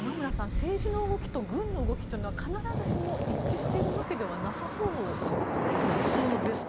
政治の動きと軍の動きというのは必ずしも一致しているわけではなさそうですね。